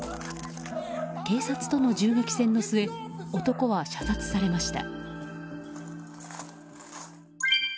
警察との銃撃戦の末男は射殺されました。